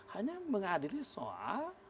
hanya mengadili soal